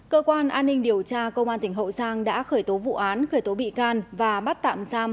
cơ quan an ninh điều tra công an thành phố nha trang đã khởi tố vụ án khởi tố bị can và bắt tạm giam